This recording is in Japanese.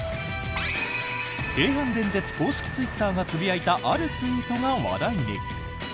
京阪電鉄公式ツイッターがつぶやいたあるツイートが話題に。